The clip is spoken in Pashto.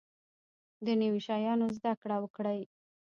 د نوي شیانو زده کړه وکړئ